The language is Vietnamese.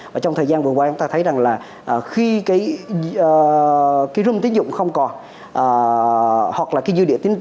và trong thời gian vừa qua chúng ta thấy rằng là khi cái rung tín dụng không còn hoặc là cái dư địa tín